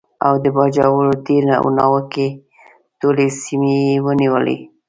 او د باجوړ، دیر او ناوګۍ ټولې سیمې یې ونیولې.